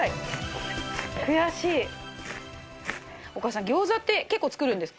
お母さん餃子って結構作るんですか？